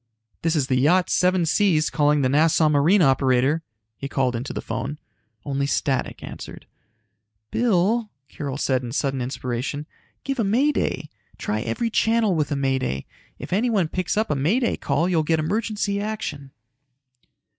"This is the Yacht Seven Seas calling the Nassau Marine operator," he called into the phone. Only static answered. "Bill!" Carol said in sudden inspiration. "Give a May Day. Try every channel with a May Day. If anyone picks up a May Day call you'll get emergency action."